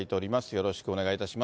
よろしくお願いいたし